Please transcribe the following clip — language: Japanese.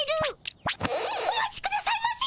お待ちくださいませ。